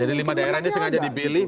jadi lima daerah ini sengaja dipilih